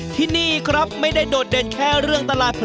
ที่นี่ครับไม่ได้โดดเด่นแค่เรื่องตลาดผลิต